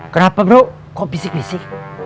kenapa gru kok bisik bisik